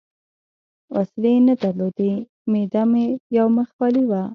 وسلې نه درلودې، معده مې یو مخ خالي وه.